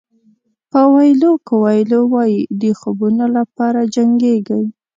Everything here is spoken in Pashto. پاویلو کویلو وایي د خوبونو لپاره جنګېږئ.